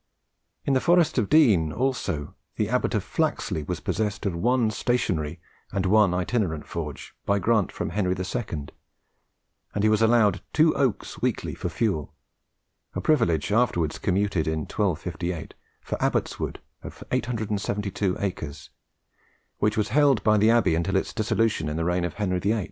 In the Forest of Dean also, the abbot of Flaxley was possessed of one stationary and one itinerant forge, by grant from Henry II, and he was allowed two oaks weekly for fuel, a privilege afterwards commuted, in 1258, for Abbot's Wood of 872 acres, which was held by the abbey until its dissolution in the reign of Henry VIII.